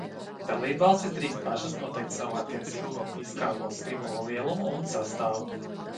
Dalībvalstis drīkst pašas noteikt savu attiecīgo fiskālo stimulu lielumu un sastāvu.